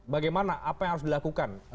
bagaimana apa yang harus dilakukan